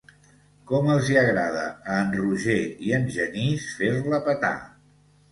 Com els hi agrada a en Roger i en Genís fer-la petar.